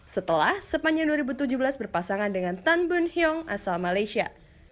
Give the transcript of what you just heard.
setelah sepanjang dua ribu tujuh belas berpasangan dengan tan bun hyong asal malaysia